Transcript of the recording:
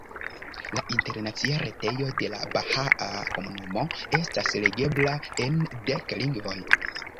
La internacia retejo de la bahaa komunumo estas legebla en dek lingvoj.